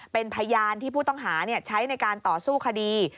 เป็นพยานที่ผู้ต้องหาใช้ในการต่อสู้คดี